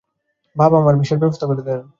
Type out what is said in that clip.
বাবা আমার ভিসার ব্যবস্থা করে দেন।